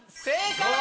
正解。